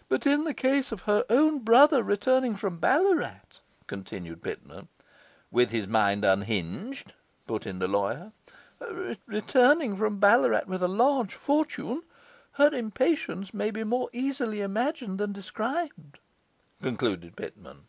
. but in the case of her own brother returning from Ballarat. ..' continued Pitman. '... with his mind unhinged,' put in the lawyer. '... returning from Ballarat with a large fortune, her impatience may be more easily imagined than described,' concluded Pitman.